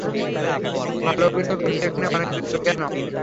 ভালো অভিনয় করবি এখানে অনেক জুতা কেন?